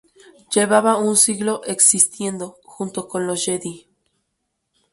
Llevaba un siglo existiendo, junto con los Jedi.